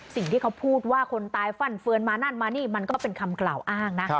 สิ่งที่เขาพูดว่าคนตายฟั่นเฟือนมานั่นมานี่มันก็เป็นคำกล่าวอ้างนะ